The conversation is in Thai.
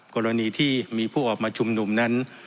กรณีที่มีผู้ออกมาชุมนุมนั้น